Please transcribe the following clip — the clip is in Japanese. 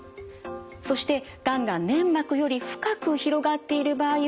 そしてがんが粘膜より深く広がっている場合は手術。